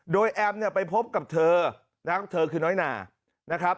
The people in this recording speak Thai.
โดยแอมไปพบกับเธอเธอคือน้อยนา